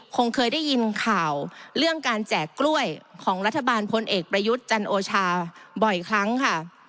คงเคยได้ยินข่าวเรื่องการแจกกล้วยของรัฐบาลพลเอกประยุทธ์จันโอชาบ่อยครั้งค่ะ